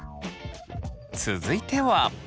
続いては。